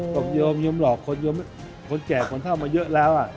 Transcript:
โยมโยมหลอกคนแก่คนเท่ามาเยอะแล้ว